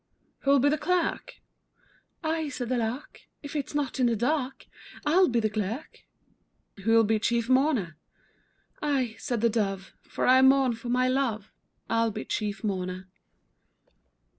Who'll be the Clerk? I, said the Lark, If it's not in the dark. I'll be the Clerk. Who'll be chief mourner? I, said the Dove, For I mourn for my love. I'll be chief mourner.